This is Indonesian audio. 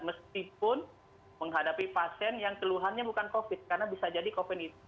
meskipun menghadapi pasien yang keluhannya bukan covid karena bisa jadi covid itu